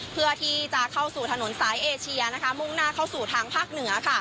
เพื่อที่จะเข้าสู่ถนนสายเอเชียมุ่งหน้าเข้าสู่ทางภาคเหนือ